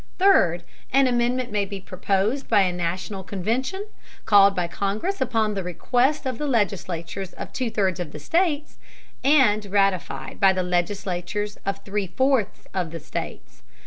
Third, an amendment may be proposed by a national convention, called by Congress upon the request of the legislatures of two thirds of the states, and ratified by the legislatures of three fourths of the states.